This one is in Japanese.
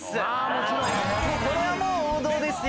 これはもう王道ですよ。